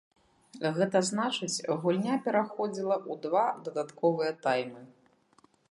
Гэта значыць гульня пераходзіла ў два дадатковыя таймы.